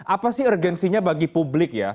apa sih urgensinya bagi publik ya